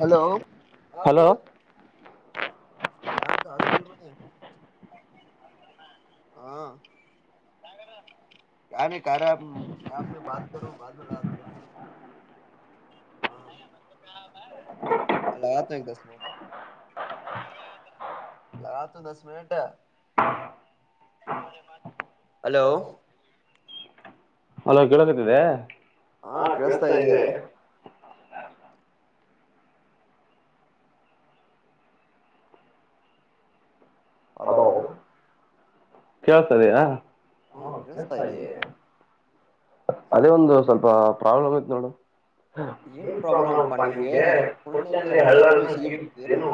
Hello ಹಾ hello ಬೋಲೋ ಹ ಹಸ್ಟೆಲ್ ಮ ಹಾ ಯ ಕಾರ ಬತೋ ಬತ ಹ ಅಲ್ಲತ ದಸ್ ಮಿನ ಲಾ ತು ದಸ ಮಿನಟ ಹಲೋ ಹಲೋ ಕೇಳಕತ್ತಿದೆತ ಹಾ ಕೇಳಿಸ್ತಾ ಇದೆ ಅದಾವ ಕೇಳಿಸ್ತದೆಯಾ ಹ್ಮ ಕೇಳಸ್ತಾ ಇದೀೇ ಅದೇ ಒಂದು ಸ್ವಲ್ಪ ಪ್ರಾಬ್ಲಮ್ ಆಯತ್ ನೋಡ ಹ ಏನ್ ಪ್ರಾಬ್ಲಮ್ ಅಪ್ಪ ಪ್ರಬ್ಲಪಾ ನಿ ನಿನ್ಗೆ ಕುಂಡಲ್ಲಿ ಕುಂದಚ ಹಳ್ಳನು ಹಳ್ಳಾಲ ಸಿ ಸಿಗಿಬಿಟ್ಟಿದ್ದೇನು ಏನು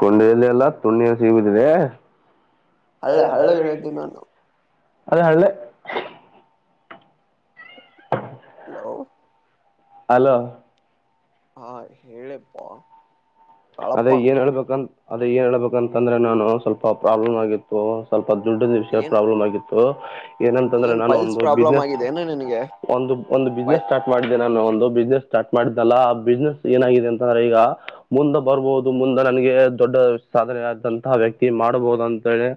ಕೊಂಡೆೆಯಲ್ಲಿ ಎಲ್ಲ ತುಣ್ಣಿ ಸಿಗುದ್ರೆ ಅ ಹಳ್ಳ ಅದೇ ಹಳ್ಳ ಹಲೋ ಅಲೋ ಹಾ ಹೇಳೆಪ್ಪಾ ಅದೇ ಏನ್ ಹೇಳ್ಬೇಕಂತ ಅದೇ ಏನ್ ಹೇಬೇಕಂತಂದ್ರೆ ನಾನು ಸ್ವಲ್ಪ ಪ್ರಾಬ್ಲಮ್ ಆಗಿತ್ತು ಸ್ವಲ್ಪ ದದುಡ್ಡ ವಿಷಯ ಏನ್ ಪ್ರಾಬ್ಲಮ್ ಆಗಿತ್ತು ಏನಂತಂದ್ರೆ ಏನ್ ನಾನು ಫೈಲ್ಸ್ ಒಂದು ಪ್ರಾಬ್ಲಮ್ ಬಿಸ್ನೆಸ್ ಆಗಿದೆ ನಿನಗೆ ಒಂದು ಒಂದು ಫೈ ಬಿಸ್ನೆಸ್ ಸ್ಟಾರ್ಟ್ ಮಾಡಿದ್ದೇನೆ ನಾನು ಒಂದು ಬಿಸ್ನೆಸ್ ಸ್ಟಾರ್ಟ್ ಮಾಡಿದ್ದಲ್ಲ ಆ ಬಿಸ್ನೆಸ್ ಏನಾಗಿದೆ ಅಂತಂದ್ರೆ ಈಗ ಮುಂದೊಬ್ ಬರ್ಬಹುದು ಮುಂದ ನನ್ಗೆ ದೊಡ್ಡ ಸಾಧನೆ ಆದಂತಹ ವ್ಯಕ್ತಿ ಮಾಡಬಹುದು ಅಂತೇಳಿ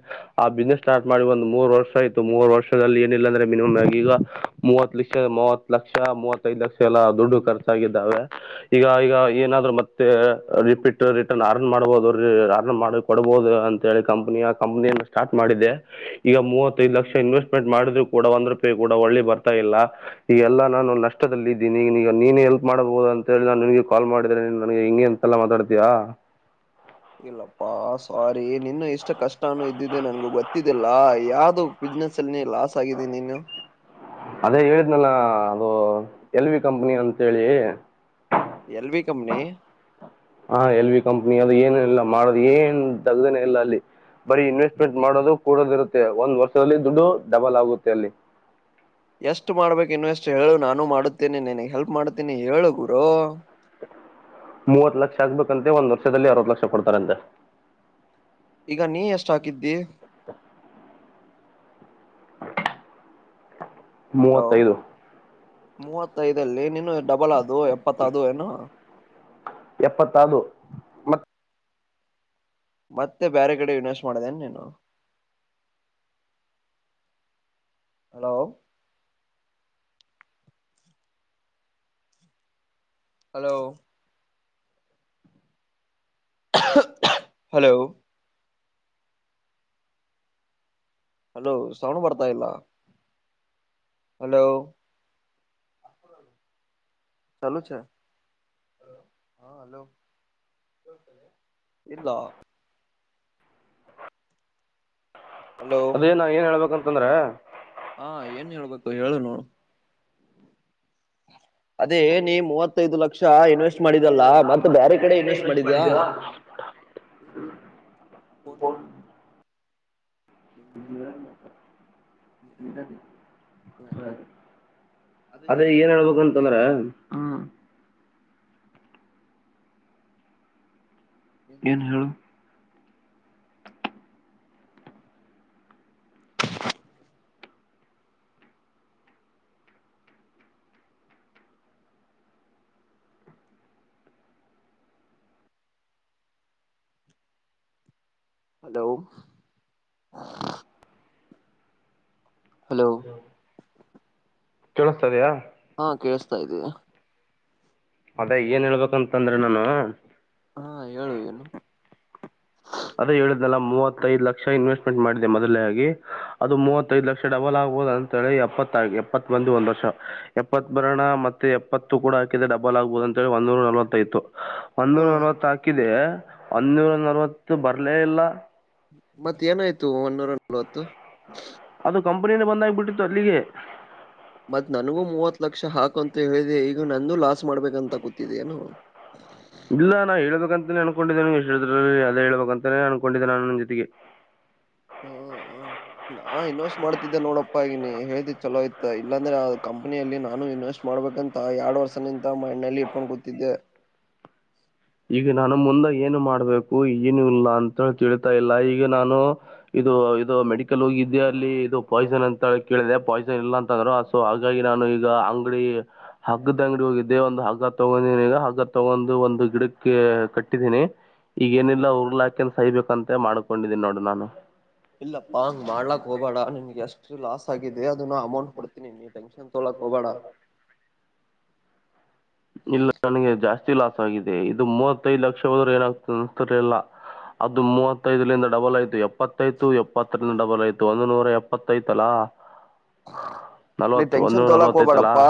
ಆ ಬಿಸ್ನೆಸ್ ಸ್ಟಾರ್ಟ್ ಮಾಡಿ ಒಂದ ಮೂರ್ ವರ್ಷ ಆಯತು ಮೂರ್ ವರ್ಷದಲ್ಲಿ ಏನಿಲ್ಲ ಅಂದ್ರೆ ಮಿನಿಮಮ್ ಆಗ ಈಗ ಮೂವತ್ ಲಕ್ಷ ಮೂವತ್ ಲಕ್ಷ ಮೂವತ್ತೈದ್ ಲಕ್ಷ ಎಲ್ಲ ದುಡ್ಡು ಖರ್ಚಾಗಿದ್ದಾವೆ ಈಗ ಈಗ ಏನಾದ್ರು ಮತ್ತೆ ರಿಪಿಟ್ ರಿಟರ್ನ್ ಅರ್ನ್ ಮಾಡ್ಬಹುದು ಅರ್ನ್ ಮಾಡಿ ಕೊಡಬಹುದು ಅಂತ ಹೇಳಿ ಕಂಪ್ನಿಯ ಕಂಪ್ನಿ ಸ್ಟಾರ್ಟ್ ಮಾಡಿದೆ ಈಗ ಮೂವತ್ತೈದು ಲಕ್ಷ ಇನ್ವೆಸ್ಟ್ಮೆಂಟ್ ಮಾಡಿದ್ರು ಕೂಡ ಒಂದ್ ರೂಪಾಯಿ ಕೂಡ ಒಳ್ಳೆ ಬರ್ತಾ ಇಲ್ಲ ಈಗ ಎಲ್ಲ ನಾನು ನಷ್ಟದಲ್ಲಿ ಇದೀನಿ ಈಗಗ ನೀನೇ ಎಲ್ಪ್ ಮಾಡಬಹುದು ಅಂತ ಹೇಳಿ ನಾನು ನಿಮಗೆ ಕಾಲ್ ಮಾಡಿದೇನೆ ನನಗೆ ಹೆಂಗೆ ಎಲ್ಲ ಮಾತಾಡ್ತಿಯಾ ಇಲ್ಲಪ್ಪಾ ಸಾರಿ ನಿನು ಇಷ್ಟ ಕಷ್ಟಾನೂ ಇದ್ದಿದೆ ನನ್ಗು ಗೊತ್ತಿದ್ದಿಲ್ಲ ಯಾವ್ದು ಬಿಸ್ನೆಸ್ ಅಲ್ಲಿ ನೀ ಲಾಸ್ ಆಗಿದ್ದೀನಿ ನೀನು ಅದೇ ಹೇಳಿದ್ ನನ್ನ ಅದು ಎಲ್ ವಿ ಕಂಪನಿ ಅಂತ ಹೇಳಿ ಎಲ್ ವಿ ಕಂಪನಿ ಹ ಎಲ್ ವಿ ಕಂಪ್ನಿ ಅದು ಏನು ಇಲ್ಲ ಮಾಡೋದು್ ಏನ್ ತಗ್ದನೇ ಇಲ್ಲ ಅಲ್ಲಿ ಬರೀ ಇನ್ವೆಸ್ಟ್ಮೆಂಟ್ ಮಾಡೋದು ಕೂಡದ ಇರುತ್ತೆ ಒಂದ್ ವರ್ಷದಲ್ಲಿ ದುಡ್ಡು ಡಬಲ್ ಆಗುತ್ತೆ ಅಲ್ಲಿ ಎಷ್ಟು ಮಾಡ್ಬೇಕು ಇನ್ವೆಸ್ಟ್ ಹೇಳು ನಾನು ಮಾಡುತ್ತೇನೆ ನಿನಗ್ ಹೆಲ್ಪ್ ಮಾಡ್ತೀನಿ ಹೇಳು ಗುರು ಮೂವತ್ ಲಕ್ಷ ಆಗ್ಬೇಕಂತೆ ಒಂದ್ ವರ್ಷದಲ್ಲಿ ಅರವತ್ ಲಕ್ಷ ಕೊಡ್ತಾರಂತೆ ಈಗ ನೀ ಎಷ್ಟ ಹಾಕಿದ್ದಿ ಹಲೋ ಮೂವತ್ತೈದು ಮೂವತ್ತೈದಲ್ಲಿ ನೀನು ಡಬಲ್ ಅದು ಎಪ್ಪತ್ತದು ಏನು ಎಪ್ಪತ್ತಾರು ಮತ್ತೆ ಬೇರೆ ಕಡೆ ಇನ್ವೆಸ್ಟ್ ಮಾಡದೇನ್ ನೀನು hello hello hello hello sound ಬರ್ತಾ ಇಲ್ಲ ಹಲೋ ಚಲ ಹಾ ಹಲೋ ಇಲ್ಲ ಹಲೋ ಅದೇ ನಾ ಏನ್ ಹೇಳ್ಬೇಕಂತಂದ್ರೆ ಹಾ ಏನ್ ಹೇಳ್ಬೇಕು ಹೇಳು ನೋಡು ಅದೇ ನೀ ಮೂವತ್ತೈದು ಲಕ್ಷ ಇನ್ವೆಸ್ಟ್ ಮಾಡಿದಲ್ಲ ಮತ್ತ ಬೇರೆ ಕಡೆ ಇನ್ವೆಸ್ಟ್ ಮಾಡಿದ್ಯಾಾ ಹನ್ ಹ ಅದೇ ಏನ್ ಹೇಳ್ಬೇಕ ಅಂತಂದ್ರ ಏನು ಹೇಳು ಹ ಅಲೋ ಹಲೋ ಕೇಳ್ತದೆಯಾ ಹಾ ಕೇಳಿಸತಾ ಇದ್ದೀಿ ಅದೇ ಏನ್ ಹೇಳ್ಬೇಕಂತಂದ್ರೆ ನಾನು ಹಾ ಹೇಳುವ ಏನು ಅದೇ ಹೇಳಿದ್ಲ್ಲ ಮೂವತ್ತೈದ ಲಕ್ಷ ಇನ್ವೆಸ್ಟ್ಮೆಂಟ್ ಮಾಡಿದೆ ಮೊದಲೇ ಆಗಿ ಅದು ಮೂವತ್ತೈದು ಲಕ್ಷ ಡಬಲ್ ಆಗ್ಬಹದ ಳ ಎಪ್ಪತ್ತ ಎಪ್ಪತ್ ಮಂದಿ ಒಂದ್ ವರ್ಷ ಎಪ್ಪತ್ ಬರಣ ಮತ್ತೆ ಎಪ್ಪತ್ತು ಕೂಡ ಡಬಲ್ ಆಗ್ಬಹುದು ಅಂತೇಳಿ ಒಂದೂರ ನಲವತ್ತೈು ಹ ಒಂದೂರ ನರವತ್ತು ಹಾಕಿದೆ ಒಂದೂರ ನರವತ್ತು ಬರ್ಲೇ ಇಲ್ಲ ಮತ್ತ ಏನಾಯ್ತು ಒನ್ನೂರ ನಲ್ವತ್ತು ಅದು ಕಂಪನಿಯಿಂದ ಬಂದಾಗಬಿಟ್ಟಿತ್ತು ಅಲ್ಲಿಗೆ ಮತ್ ನನಗೂ ಮೂವತ್ ಲಕ್ಷ ಹಾಕು ಅಂತ ಹೇಳಿದೆ ಈಗ ನಂದುೂ ಲಾಸ್ ಮಾಡ್ಬೇಕಂತ ಕೂತಿದ ಏನೋ ಇಲ್ಲ ನಾ ಹೇಬೇಕಂತಾನೇ ಅನ್ಕೊಂಡಿದ್ದೆ ಎಷ್ಟುರಲ್ಲಿ ಅದೇ ಹೇಬೇಕ ಅಂತಾನೇ ಅನ್ಕೊಂಡಿದ್ದೆ ನುನ್ನ ಜತೆಗೆ ಹ ಹ ನಾ ಇನ್ವೆಸ್ಟ್ ಮಾಡ್ತಿದ್ದೆ ನೋಡಪ್ಪಾ ಈಗ ನೀ ಹ ಹೇಳ್ದಿ ಚಲೋಯ್ತ ಇಲ್ಲಾಂದ್ರೆ ಆ ಕಂಪನಿಯಲ್ಲಿ ನಾನು ಇನ್ವೆಸ್ಟ್ ಮಾಡಬೇಕಂತ ಎರಡು ವರ್ಷ ನಿಂತ ಮಣ್ಣಲ್ಲಿ ಇಟ್ಕೊಂಡು ಕೂತಿದ್ದೆ ಈಗ ನಾನು ಮುಂದಾಗ ಏನು ಮಾಡ್ಬೇಕು ಏನು ಇಲ್ಲ ಅಂತ ತಿಳಿತಾ ಇಲ್ಲ ಈಗ ನಾನು ಇದು ಇದು ಮೆಡಿಕಲ್ ಹೋಗಿದೆ ಅಲ್ಲಿ ಇದು ಪಾಯ್ಸನ್ ಅಂತ ಕೇಳಿದೆ ಪಾಯ್ಸನ್ ಇಲ್ಲಾ ಅಂತ ಅಂದ್ರರು ಸೊ ಹಾಗಾಗಿ ನಾನು ಈಗ ಅಂಗಡಿ ಹಗ್ಗದ ಅಂಗಡಿ ಹೋಗಿದ್ದೆ ಒಂದು ಹಗ್ಗ ತಗೊಂಡ ಈಗ ಹಗ್ಗ ತಗೊಂಡ್ ಒಂದು ಗಿಡ ಕಟ್ಟಿದ್ದೀನಿ ಈಗ ಏನಿಲ್ಲ ಉರ್ಲ ಹಾಕನ್ ಸಹಬೇಕಂತ ಮಾಡ್ಕೊಂಡಿದ್ದೀನಿ ನೋಡು ನಾನು ಇಲ್ಲಪ್ಪಾ ಹಂಗ್ ಮಾಡಲಾಕ್ ಹೋಗಬೇಡ ನನ್ಗೆ ಎಷ್ಟು ಲಾಸ್ ಆಗಿದೆ ಅದನ್ನ ಅಮೌಂಟ್ ಕೊಡ್ತೀನಿ ನೀ ತೋಲ ಕೊಬಡ [unintelligible] ಇಲ್ಲ ನನಗೆ ಜಾಸ್ತಿ ಲಾಸ್ ಆಗಿದೆ ಇದು ಮೂವತ್ತೈದ್ ಲಕ್ಷ ಹೋದ್ರೆ ಏನಾಗ್ತ ಅನ್ತಲಿಲ್ಲ ಅದು ಮೂವತ್ತೈದಲಂದ ಡಬಲ್ ಆಯ್ತು ಎಪ್ಪತ್ತೈತು ಎಪ್ಪತ್ತರಿಂದ ಡಬಲ್ ಆಯ್ತು ಒಂದು ನೂರ ಎಪ್ಪತ್ತೈತಲ್ಲಾ ಹಾ [unintelligible] ನೀ ಟೆನ್ಷನ್ ತೋಲಾಕ್ ಹಬೇಡಪ್ಪಾ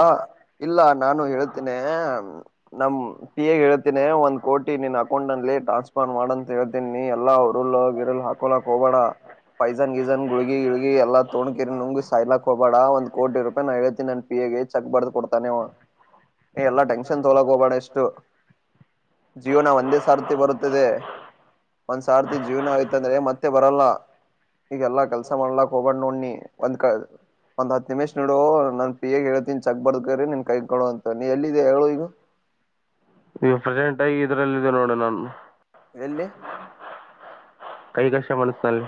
ಇಲ್ಲ ನಾನು ಹೇಳ್ತೇನೆ ನಮ ಪಿ ಎಗ್ ಹೇಳ್ತೇನೆ ಒಂದ್ ಕೋಟಿ ನೀನ್ ಹ ಹಾಕೊಂಡಲ್ಲಿ ಟಾನ್ಸ್ಫಾನ್ ಮಾಡ ಅಂತ ಹೇಳ್ತೀನಿ ಎಲ್ಲಾ ಉುರುಳ್ಳ ಗಿರು ಹಾಕಳಾಕ್ ಹೋಗಬೇಡ ಪೈಜನ್ ಗಿಜನ್ ಗುಗಿುಗಿ ಎಲ್ಲ ತೋ್ ಕಿರಿ ನುಂಗಿ ಸಾಯಲಾಕ್ ಹೋಗಬೇಡ ಒಂದ ಕೋಟಿ ರೂಪಾಯಿ ನಾ ಹೇಳ್ತೀನಿ ನನ್ ಪಿ ಗೆ ಚಕ್ ಬರ್ದ್ ಕೊಡ್ತಾನೆ ಏ ಎಲ್ಲಾ ಟೆನ್ಷನ್ ತೊಲಕ್ ಹೋಗ್ಬೇಡ ಎಷ್ಟು ಜೀವನ ಒಂದೇ ಸಾರ್ತಿ ಬರುತ್ತದೆ ಒಂದ್ ಸಾರ್ತಿ ಜೀವನ ಆಯ್ತಂದ್ರೆ ಮತ್ತೆ ಬರಲ್ಲ ಈಗೆಲ್ಲಾ ಕೆಲ್ಸ ಮಾಡ್ಲಾಕ್ ಹೋಗಬಂಡ್ ನೋಡ್ನಿ ಒಂದ್ ಕ ಒಂದ್ ಹತ್ತು ನಿಮಿಷ್ ನೋಡು ನನ್ ಪಿ ಯ ಹೇಳ್ತೀನಿ ಚಕ್ ಬದಕ್ರರಿ ನಿನ್ ಕೈಗ್ ಕೊವ ಅಂತ ನೀ ಎಲ್ಲಿದೆ ಹೇಳು ಈಗ ನೀವು ಪ್ರೆಸೆಂಟ್ ಆಗಿ ಇದ್ರಲ್ಲ ಇದ ನೋಡ ನಾನು ಎಲ್ಲಿ ಕೈ ಕಷೆ ಮಾಡಸತಲ್ಲ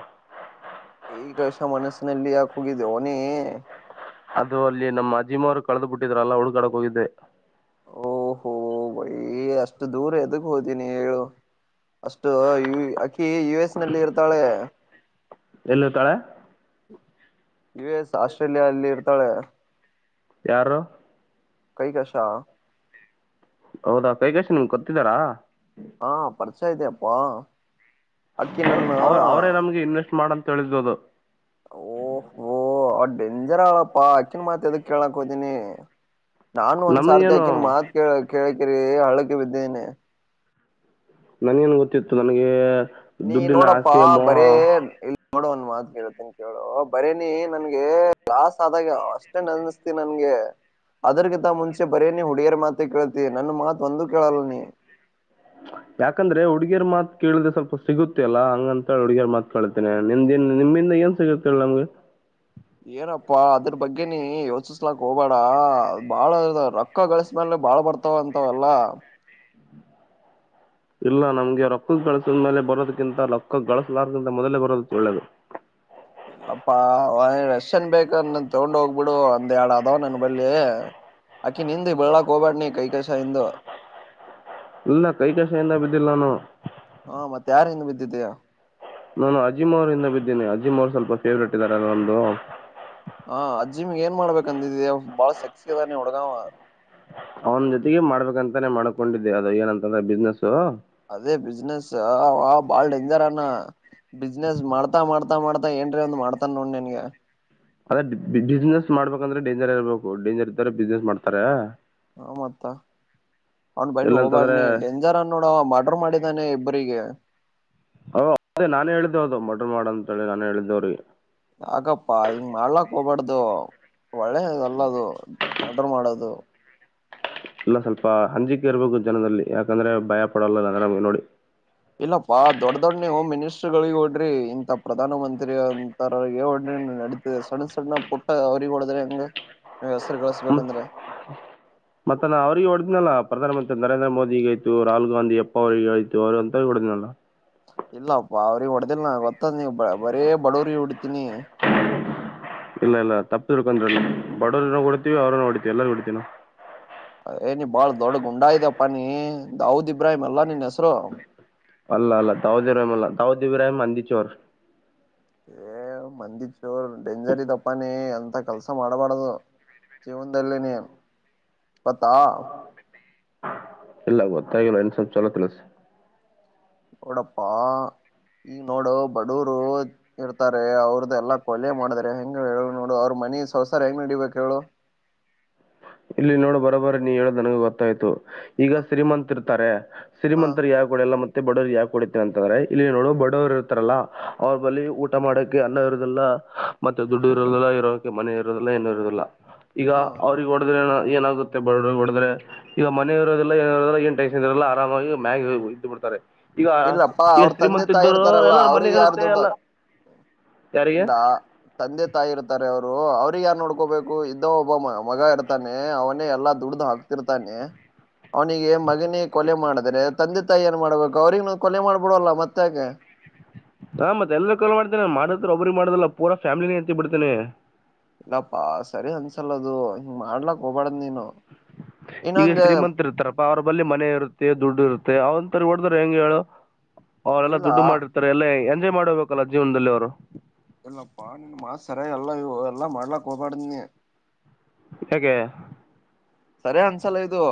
ಈ ವಷ ಮನಸ್ಸಿನಲ್ಲಿ ಯಾಕ ಹೋಗಿದ್ದೆ ಅವನಿ ಅದು ಅಲ್ಲಿ ನಮ್ಮ ಅಜೀಮ ಅವ್ರು ಕಳೆದು ಬಿಟ್ಟಿದ್ರಲ್ಲ ಹುಡುಗಾಡಕ್ ಹೋಗಿದ್ದೆ ಓಹಹೋ ಬಯ ಅಷ್ಟು ದೂರ ಎದಗ್ ಹೋದೀನಿ ಹೇಳು ಅಷ್ಟು ಯ ಅಕ್ಕಿ ಯು ಎಸ್ ನಲ್ಲಿ ಇರ್ತಾಳೆ ಎಲ್ಲಿ ಇರ್ತಾಳೆ ಯು ಎಸ್ ಆಸ್ಟ್ರೇಲಿಯಾ ಅಲ್ಲಿ ಇರ್ತಾಳೆ ಯಾರು ಕೈ ಕಸ ಹೌದಾ ತೇಜಸ್ವಿನಿ ನಿಮ್ಗೆ ಗೊತ್ತಿದ್ದಾರಾ ಹಾ ಪರಿಚಯ ಇದೆ ಅಪ್ಪ ಅಕ್ಕಿ ನನ್ನ ಅವ್ರು ಅವರೇ ನಮಗೆ ಇನ್ವೆಸ್ಟ್ ಮಾಡ ಅಂತ ಹೇಳಳಬೋದು ಓಹ್ ಓಹ ಅವ ಡೆಂಜರ್ ಆಳಪ್ಪಾ ಹಾಕಿನ್ ಮಾತ್ ಯದಕ್ಕ ಕೇಳಕ್ಕೋದಿನಿ ನಾನು ಒಂದ್ ಸಾರ್ತಿ ನಮಗೇನು ಯಾಕಿನ ಮಾತ್ ಕೇಳ ಕೇಳಕಿರಿ ಹಳ್ಳಕ್ಕೆ ಬಿದ್ದೇನೆ ನನಗೇನು ಗೊತ್ತಿತ್ತು ನನಗೆ ನೀ ದುಡ್ಡಿನ ನೋಡಪ್ಪಾ ಆಸೆ ಬರೇ ಮೋಹ ನೋಡು ಒಂದ ಮಾತಗಿರುತ್ತನ್ ಕೇಳುವ ಬರೇನಿ ನನ್ಗೆ ಲಾಸ್ ಆದಾಗ ಅಷ್ಟ ಅಷ್ಟ ಅನಸ್ತಿ ನನ್ಗೆ ಅದರ್ಗಿಂತ ಮುಂಚೆ ಬರೇ ನೀ ಹುಡಿಯರ ಮಾತ ಕೇಳ್ತೀ ನನ್ನ ಮಾತ್ ಒಂದು ಕೇಳಲ್ಲ ನೀ ಯಾಕಂದ್ರೆ ಹುಡ್ಗರ ಮಾತ್ ಕೇಳಿದೆ ಸ್ವಲ್ಪ ಸಿಗುತ್ತೆಲ್ಲ ಹಂಗ ಅಂತ ಹೇಳ ಹುಗಿಯರ್ ಮಾತ್ ಕೇಳ್ತೇನೆ ನಿಮ್ದನ್ ನಿಮಿಂದ ಏ ಸಿಗುತ್ತೆಲ್ಲ ನಮ್ಗೆ ಏನಪ್ಪಾ ಅದ್ರ ಬಗ್ಗೆನ ಯೋಚಿಸಲಾಕ್ ಹೋಗಬೇಡ ಬಾಳ ಅದರ ಪಕ್ಕ ಗಳಿಸ ಮೇಲೆ ಬಾಳ್ ಬರ್ತಾವ ಅಂತವಲ್ಲಾ ಇಲ್ಲ ನಮ್ಗೆ ರೊಕ್ಕ ಗಳಸ್ ಮೇಲೆ ಬರೋದಕ್ಕಿಂತ ರೊಕ್ಕ ಗಳಸಲಾರ್ಗಿಂತ ಮೊದಲೇ ಬರೋದಕ್ಕೆ ಒಳ್ಳೇದು ಇಲ್ಲಪ್ಪಾ ರಶನ್ ಬೇಕ ತಗೊಂಡ್ ಹೋಗ್ಬಿಡು ಒಂದ್ಡ್ ಅದವ ನನ್ ಬಲ್ಲಿ ಅಕಿ ನಿಂದ ಬೆಳ್ಳಳಾಕ್ ಹೋಗಬಾಡ ನೀ ಕೈ ಕಸ ಇದಂದು ಇಲ್ಲ ಕೈ ಕಸ ಏನ ಬಿದ್ದಿಲ್ಲ ನಾನು ಹಾ ಮತ್ತೆ ಯಾರ ಇದ ಬಿದ್ದಿದ್ದ್ಯ ನಾನು ಅಜಿಮ್ ಅವರಿಂದ ಬಿದ್ದೀನಿ ಅಜಿಮ್ ಅವ್ರು ಸ್ವಲ್ಪ ಫೇವ್ರೇಟ್ ಇದ್ದಾರೆಲ್ಲ ಒಂದು ಹಾ ಅಜ್ಜಿ ಮ್ ಏನ್ ಮಾಡ್ಬೇಕಕ್ ಅಂದಿದಿ ಬಾಳ ಸೆಕ್ಸ್ ಅದ ನೀ ಹುಡ್ಗ ಅವನ ಜೊತೆಗೆ ಮಾಡ್ಬೇಕಂತಾನೆ ಮಾಡ್ಕೊಂಡಿದ್ದೆ ಅದು ಏನಂತಂದ್ರ ಬಿಸ್ನೆಸ್ಸ ಅದೇ ಬಿಸ್ನೆಸ್ ಬಾಳ್ ಡೇಂಜರ್ ಅನ ಬಿಸ್ನೆಸ್ ಮಾಡ್ತಾ ಮಾಡ್ತಾ ಮಾಡ್ತಾ ಏನ್ರಿ ಒಂದು ಮಾಡ್ತಾನ ನೋಡ ನನ್ಗೆ ಅದೇ ಬಿಸ್ನೆಸ್ ಮಾಡ್ಬೇಕಂದ್ರೆ ಡೇಂಜರ್ ಇರಬೇಕು ಡೇಂಜರ್ರೆ ಬಿಸ್ನೆಸ್ ಮಾಡ್ತಾರ ಹ ಮತ್ತ ಅವ್ನ್ ಬೈಲಿ ಇಲ್ಲಾಂತಂದ್ರೆ ಹೋಗಬಾಡನಿ ಡೇಂಜರ್ ಅ ನೋಡುವ ಮರ್ಡ್ರ ಮಾಡಿದಾನೆ ಇಬ್ಬರಿಗೆ ಹ ಅದೇ ನಾನೇ ಹೇಳಿದ್ದೆವು ಅದು ಮಡ್ರ ಮಾಡ ಅಂತ ಹೇಳಿ ನಾನೇ ಹೇಳಿದ್ದವ್ರೀ ಯಾಕಪ್ಪಾ ಹಿಂಗ್ ಮಾಡ್ಲಾಕ್ ಹೋಗ್ಬಾರ್ದು ಒಳ್ಳೆಲ್ಲದು ಮಡರ್ ಮಾಡದು ಇಲ್ಲ ಸ್ವಲ್ಪ ಹಂಜಿಕೆ ಇರ್ಬೇಕು ಜನದಲ್ಲಿ ಯಾಕಂದ್ರೆ ಭಯ ಪಡಲ್ಲಲ್ಲಂದ್ರ ನಮಗೆ ನೋಡಿ ಇಲ್ಲಪ್ಪಾ ದೊಡ್ಡ ದೊಡ್ಡನೇ ಹೋಮ್ ಮಿನಿಸ್ಟ್ರಗಳಿಗೆ ಹೊೋಡ್ರಿ ಇಂತಥ ಪ್ರಧಾನ ಮಂತ್ರಿ ಸ ನಡೀತ ಸಣನ್ ಸಣ್ಣ ಪುಟ್ಟ ಅವ್ರಿಗೆ ಹೊ ಡದ್ರೆ ಹಂಗ ನೀ್ ಹೆಸರು ಕಳಿಸಸ್ಬೇಕಂದ್ರೆ ಮತ್ತೆ ನ ಅವರಿಗೆಗ ಹೊಡೆದ್ನಲ್ಲ ಪ್ರಧಾನಮಂತ್ರಿರೇಂದ್ರ ಮೋದಿಗ ಆಯತು ರಾಹುಲ್ ಗಾಂಧಿಪ್ಪ ಅವರಿಗೆಗ ಆಯತು ಅವರುಂತ ಹೊಡೆ್ದ್ನಲ್ಲ ಇಲ್ಲಪ್ಪ ಅವ್ರಿಗೆ ಹೊಡ್ದಿಲ್ಲ ನ ಗೊತ್ತಾದ ನೀ ಬರೇ ಬಡವ್ರ ಹೊಡತೀನಿ ಇಲ್ಲ ಇಲ್ಲ ತಪ್ಪರ್ಕಂದ್ರಲ್ಲ ಬಡವ ನೋಡಡ್ತಿೀ ಅವ್ರ ನೋ ಹೊಡಿತೀವಿ ಎಲ್ಲಾರೂ ಕುಡತೀನ ಯಏ ನೀ ಬಾಳ ದೊಡ್ಡ ಗುಂಡಾ ಇದಪ್ಪ ನೀ ದೌದ್ ಇಬ್ರಾಹಿಂ ಅಲ್ಲಾ ನಿನ್ ಹೆಸರು ಅಲ್ಲ ಅಲ್ಲ ತೌದ ಇಬ್ರಾಿ ಅಲ್ಲ ತೌದ್ ಇಬ್ರಾಿಮ ಅಂದಿಚೋರ್ ಏ ಮಂದಿ ಚೋರ್ ಡೇಂಜರ್ ಇದಪ್ಪಾನ ಅಂತ ಕೆಲ್ಸ ಮಾಡ್ಬಾರಡ್ದು ಜೀವನದಲ್ಲಿ ನೀನು ಬತ್ತಾ ಇಲ್ಲ ಗೊತ್ತಾಗಿ ನ ಇನ್ ಸ್ವಲ್ಪ ಚಲೋ ತಿಲಸ ನೋಡಪ್ಪಾ ಈಗ ನೋಡು ಬಡೂರು ಇರ್ತಾರೆ ಅವ್ರದ್ದಲ್ಲ ಕೊಲೆ ಮಾಡಿದ್ರ ಹೆಂಗ ಹೇಳ ನೋಡು ಅವ್ರ ಮನಿ ಸಂವಸಾರ ಹೆಂಗ್ ನಡಿಬೇಕ ಹೇಳು ಇಲ್ಲಿ ನೋಡು ಬರೋ ಬರ ನೀ ಹೇಳೋ ನನಗ ಗೊತ್ತಾಯ್ತು ಈಗ ಸಿ್ರೀಮಂತ ಇರ್ತಾರೆ ಹ ಸಿ್ರೀಮಂತರ್ ಯಾವಾಗೂ ಎಲ್ಲ ಮ ತ್ತೆ ಬಡವರು ಯಾಕ ಕುಡತೇನೆ ಅಂತಂದ್ರೆ ಇಲ್ಲಿ ನೋಡು ಬಡವರು ಇರ್ತಾರಲ್ಲಾ ಅವ್ರ ಬಳ ಊಟ ಮಾಡಕ್ಕೆ ಅನ್ನ ಇರುದಲ್ಲ ಮತ್ತೆ ದುಡ್ಡು ಇರೋದಿಲ್ಲ ಇರೋಕ್ಕೆ ಮನೆ ಇರೋದಿಲ್ಲ ಏನುೂ ಇರದಿಲ್ಲ ಈಗ ಹ ಹೊಡದ್ರೆ ಏನಾಗುತ್ತೆ ಬಡ ಹೊಡದ್ರೆ ಈಗ ಮನೆ ಇರೋದಿಲ್ಲ ಏನ ಇರೋದಿಲ್ಲ ಏನ್ ಟೈಸನ್ ಇಲ್ಲ ಆರಾಮಾಗಿ್ಯಾಗಿ ಇದ್ದಬ ಬಿಡ್ತಾರೆ ಈಗ ಇಲ್ಲಪ್ಪಾ ಈಗ ಅವ್ರ ತಂದೆ ಶ್ರೀಮಂತ ತಾಯಿ ಇದ್ದರು ಇರ್ತಾರಲ್ಲ ಎಲ್ಲಾರ ಮನೆ ಅವ್ರಿಗೆ ಯಾರ್ ಇರುತ್ತೆ ದುಡ್ಡು ಎಲ್ಲ ಯಾರಿಗೆ ಇಲ್ಲ ತಂದೆ ತಾಯಿ ಇರ್ತಾರೆ ಅವ್ರು ಅವ್ರಿಗೆ ಯನ್ ನೋಡ್ಕೋಬೇಕು ಇದ್ದೋ ಒಬ್ಬ ಮಗ ಇರ್ತಾನೆ ಅವನೇ ಎಲ್ಲಾ ದುಡ್ದ ಹಾಕ್ತ ರ್ತಾನೆ ಅವನಿಗೆ ಮಗನಿಗೆ ಕೊಲೆ ಮಾಡಿದ್ರೆ ತಂದೆ ತಾಯಿ ಏನ್ ಮಾಡ್ಬೇಕು ಗ ಅವ್ರಿಗೆ ಕೊಲೆ ಮಾಡ್ಬಿಡಲ್ಲ ಮತ್ತೆ ಹಾ ಮತ್ತೆ ಎಲ್ಲರ ಕಲ್ ಮಾಡತೇನೆ ಮಾಡಿದ್ರೆ ಒಬ್ರಿಗೆ ಮಾಡುದಲ್ಲ ಪೂರಾ ಫ್ಯಾಮಿಲಿ ಎತ್ತಿ ಬಿಡ್ತೇನೆ ಇಲ್ಲಪ್ಪಾ ಸರಿ ಅನ್ಸಲದು ಹಿಂಗ ಮಾಡ್ಲಕ್ ಹೋಗಬಾಡ್ದ್ ನೀನು ಈಗ ಇನ್ನೊಂದ್ ಶ್ರೀಮಂತ ಇರ್ತಾರಪ್ಪ ಅವರ ಬಳಿ ಮನೆ ಇರುತ್ತೆ ದುಡ್ಡು ಇರುತ್ತೆ ಅವಂತಥರ ಹೊೋಡದ್ರೆ ಹೆಂಗ ಹೇಳು ಅವರೆಲ್ಲ ಇಲ್ಲ ದುಡ್ಡು ಮಾಡಿ ಈರ ಎಲ್ಲ ಎಂಜಾಯ್ ಮಾಡ ಹೋಗಬೇಕಲ್ಲ ಜೀವನದಲ್ಲಿ ಅವ್ರು ಎಲ್ಲ ಪನ್ ಮಾಸ್ ಸರ ಎಲ್ಲ ಎಲ್ಲ ಮಾಡ್ಲಾಕ್ ಹೋಗಬಾರಡ್ದನಿ ಯೆ ಸರಿ ಅನ್ಸಲ್ಲ ಇದು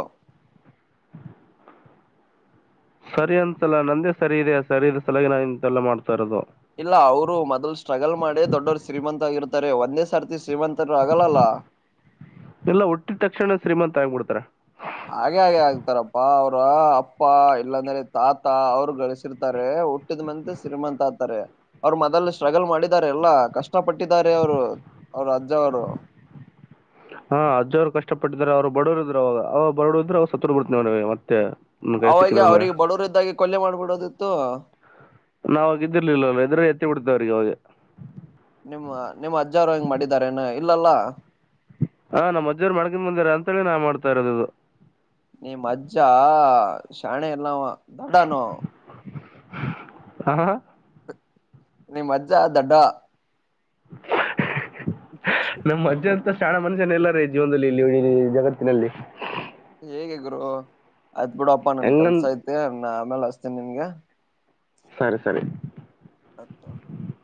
ಸರಿ ಅಂತಲ್ಲ ನಂದೇ ಸರಿ ಇದೆ ಸರಿ ಇದೆ ಸಲಾಗಿ ನಾ ಇಂತೆಲ್ಲಾ ಮಾಡ್ತಾ ಇರೋದು ಇಲ್ಲ ಅವ್ರು ಮೊದ್ಲು ಸ್ಟ್ರಗಲ್ ಮಾಡೆ ದೊಡ್ಡವರು ಶ್ರೀಮಂತ ಆಗಿರ್ತಾರೆ ಒಂದೇ ಸರ್ತಿ ಶ್ರೀಮಂತರು ಆಗಲ್ಲಲ್ಲಾ ಎಲ್ಲ ಒಟ್ಟಿದ ತಕ್ಷಣ ಶ್ರೀಮಂತತ್ ತಾಯ್ಬ ಬಿಡ್ತಾರೆ ಹಾಗೆ ಹಾಗೆ ಆಗ್ತಾರಪ್ಪಾ ಅವ್ರ ಅಪ್ಪ ಇಲ್ಲಾಂದ್ರೆ ತಾತ ಅವರು ಗಳಸಿರ್ತಾರೆ ಹಟ್ಟ ಮ ಸಿ್ರಮಂತ ಆತಾರೆ ಅವ್ರು ಮೊದಲ್ ಸ್ಟ್ರಗಲ್ ಮಾಡಿದ್ದಾರೆ ಎಲ್ಲಾ ಕಷ್ಟ ಪಟ್ಟಿದ್ದಾರೆ ಅವ್ರು ಅವರು ಅಜ್ಜ ಅವರು ಹಾ ಅಜ್ ಅವರು ಕಷ್ಟ ಪಟ್ಟಿದ್ರೆ ಅವ್ರು ಬಡವರು ಇದ್ರು ಅವಾಗ ಅವ ಬರಡ ಇದ್ರರು ಅವಾಗ ಸತ್ತರ್ ಬಿಡ್ತನವಿಗೆ ಮತ್ತೆ ನನ್ನ ಕೈ ಅವಾಗ ಸಿಕ್ಕಿದ್ರಂದ್ರೆ ಅವ್ರಿಗೆ ಬಡವರ ಇದ್ದಾಗಿ ಕೊಲ್ಲ ಮಾಡ್ಬಿಡೋದಿತ್ತು ನಾವ್ಾಗಿದ್ದಿರ್ಲಿಲ್ಲಲ್ಲ ಇದ್ರೆ ಎತ್ತಿ ಬಿಡ್ತವೆ ಅವ್ರಿಗೆ ಅವೆಗೆ. ನಿಮ್ಮ ನಿಮ್ಮ್ ಅಜ್ಜಾರು ಹೆಂಗ್ ಮಾಡಿದಾರ ಏನ ಇಲ್ಲಲ್ಲಾ ಹಾ ನಮ್ಮಜ್ಜರ್ ಮಡಿಕೊಂಡ ಬಂದರ ಅಂತ ಹೇಳಿ ನಾ ಮಾಡ್ತಾ ಇರೋದು ಅದು. ನೀಮ್ ಅಜ್ಜ ಶಾಣೆ ಅಲ್ಲ ಅವ ದಡನು. ಹಾ ಹ ಹಾ. ನಿಮ್ ಅಜ್ಜ ದಡ್ಡ. ನಮ್ಮಜ್ಜ ಅಂತ ಶಾಣಾ ಮನುಷ್ಯನ ಇಲ್ಲರಿ ಜೀವನದಲ್ಲಿ ಇಲ್ಲಿ ಜಗತ್ತಿನಲ್ಲಿ. ಹೇಗೆ ಗುರು ಆಯ್ತ್ ಬಿಡಪ್ಪಾ ನನ್ ಕೆಲ್ಸ ಹೆಂಗಂದ್ ಐತೆ ನ ಆಮೇಲೆ ಅಸ್ತೇನಿ ನಿನ್ಗ. ಸರಿ ಸರಿ. [unintelligible]